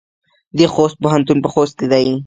د خوست پوهنتون په خوست کې دی